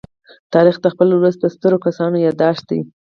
تاریخ د خپل ولس د سترو کسانو يادښت دی.